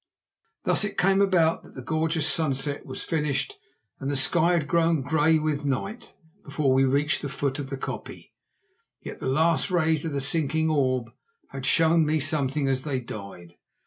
Thus it came about that the gorgeous sunset was finished and the sky had grown grey with night before we reached the foot of the koppie. Yet the last rays of the sinking orb had shown me something as they died.